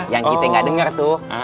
yang kita ga denger tuh